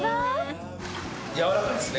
軟らかいですね。